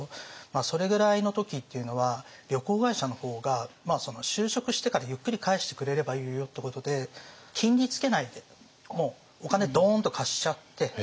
それぐらいの時っていうのは旅行会社の方が就職してからゆっくり返してくれればいいよってことで金利つけないでお金ドーンと貸しちゃって。